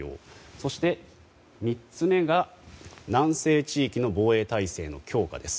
そして、３つ目が南西地域の防衛体制の強化です。